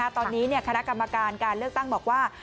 ตอนนี้คณะกรรมการการเลือกตั้งบอกว่า